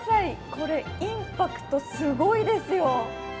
これインパクトすごいですよ！